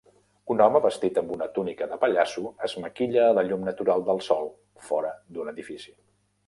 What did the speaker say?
Un home vestit amb una túnica de pallasso es maquilla a la llum natural del sol fora d'un edifici.